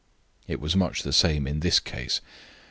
It was much the same in this case.